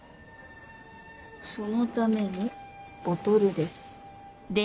そのためのボトルです。